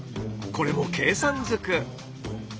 これも計算ずく。